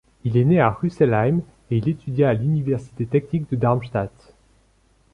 Il est né à Rüsselsheim et il étudia à l'université technique de Darmstadt.